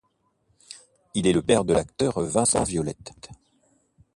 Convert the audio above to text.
Il est le père de l'acteur Vincent Violette.